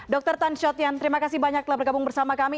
dr tan shotian terima kasih banyak telah bergabung bersama kami